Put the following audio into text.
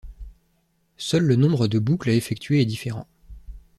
Seul le nombre de boucles à effectuer est différent.